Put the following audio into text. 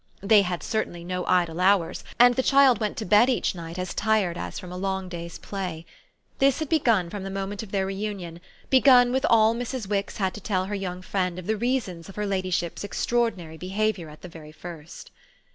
They had certainly no idle hours, and the child went to bed each night as tired as from a long day's play. This had begun from the moment of their reunion, begun with all Mrs. Wix had to tell her young friend of the reasons of her ladyship's extraordinary behaviour at the very first.